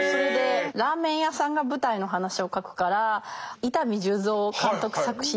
ラーメン屋さんが舞台の話を書くから伊丹十三監督作品の。